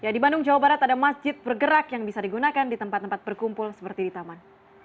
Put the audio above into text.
di bandung jawa barat ada masjid bergerak yang bisa digunakan di tempat tempat berkumpul seperti di taman